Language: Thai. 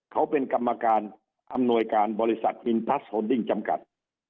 เขาเป็นกรรมการอำนวยการบริษัทอินทัสโอนดิ้งจำกัด